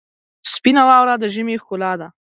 سپینه واوره د ژمي ښکلا ده.